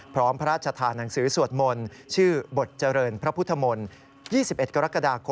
พร้อมพระราชทานังสือสวดมนตร์ชื่อบทเจริญพระพุทธมนตร์